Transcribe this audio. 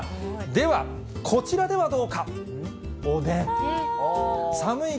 では、こちらではどうか。